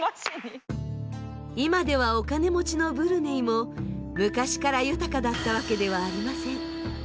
今ではお金持ちのブルネイも昔から豊かだったわけではありません。